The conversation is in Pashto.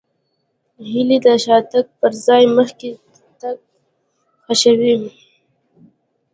هیلۍ د شاتګ پر ځای مخکې تګ خوښوي